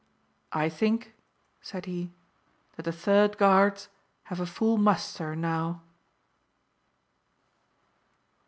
"I think," said he, "that the Third Guards have a full muster now."